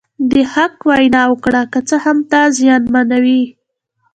د حق وینا وکړه که څه هم تا زیانمنوي.